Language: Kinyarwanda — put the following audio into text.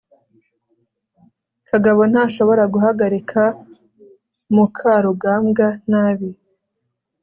kagabo ntashobora guhagarika mukarugambwa nabi